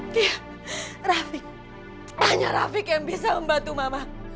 tia rafiq hanya rafiq yang bisa membantu mama